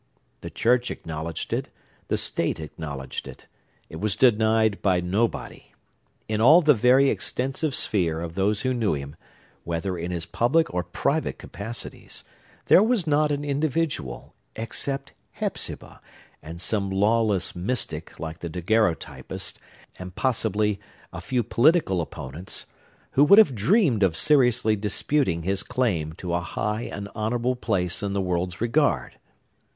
The church acknowledged it; the state acknowledged it. It was denied by nobody. In all the very extensive sphere of those who knew him, whether in his public or private capacities, there was not an individual—except Hepzibah, and some lawless mystic, like the daguerreotypist, and, possibly, a few political opponents—who would have dreamed of seriously disputing his claim to a high and honorable place in the world's regard.